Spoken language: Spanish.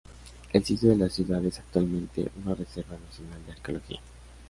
El sitio de la ciudad es actualmente una Reserva Nacional de Arqueología.